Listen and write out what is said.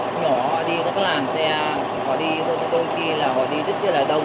tối nhỏ họ đi các làng xe họ đi đôi khi là họ đi rất là đông